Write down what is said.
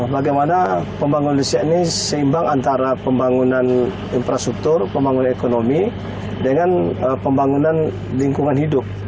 bagaimana pembangunan indonesia ini seimbang antara pembangunan infrastruktur pembangunan ekonomi dengan pembangunan lingkungan hidup